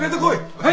はい！